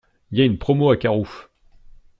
Y a une promo à Carrouf.